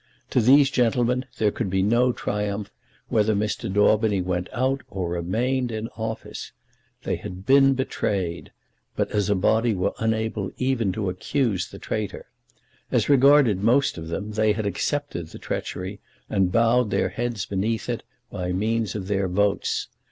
To these gentlemen there could be no triumph, whether Mr. Daubeny went out or remained in office. They had been betrayed; but as a body were unable even to accuse the traitor. As regarded most of them they had accepted the treachery and bowed their heads beneath it, by means of their votes.